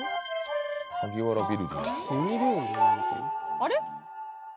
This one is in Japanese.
あれ？